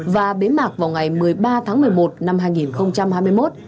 và bế mạc vào ngày một mươi ba tháng một mươi một năm hai nghìn hai mươi một